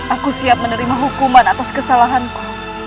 aku siap menerima hukuman atas kesalahanku